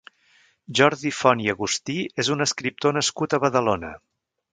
Jordi Font i Agustí és un escriptor nascut a Badalona.